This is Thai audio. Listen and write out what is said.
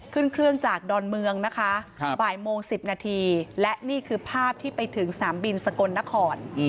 ขึ้นเครื่องจากดอนเมืองนะคะบ่ายโมง๑๐นาทีและนี่คือภาพที่ไปถึงสนามบินสกลนคร